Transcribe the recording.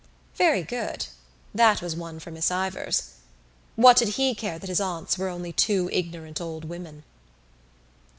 Very good: that was one for Miss Ivors. What did he care that his aunts were only two ignorant old women?